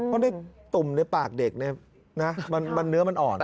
ก็ได้ตุ่มในปากเด็กเนี่ยเนื้อมันอ่อน